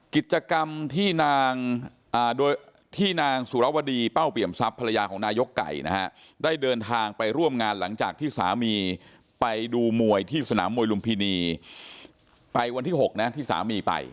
กิจกรรมที่นางโดยที่นางสุรวดีเป้าเปี่ยมทรัพย์ภรรยาของนายกไก่นะฮะได้เดินทางไปร่วมงานหลังจากที่สามีไปดูมวยที่สนามมวยลุมพินีไปวันที่๖นะที่สามีไป